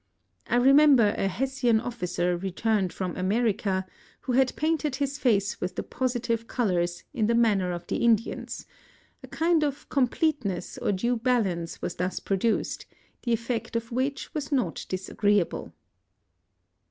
I remember a Hessian officer, returned from America, who had painted his face with the positive colours, in the manner of the Indians; a kind of completeness or due balance was thus produced, the effect of which was not disagreeable.